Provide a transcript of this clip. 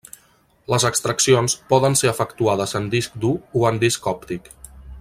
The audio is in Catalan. Les extraccions poden ser efectuades en disc dur o en disc òptic.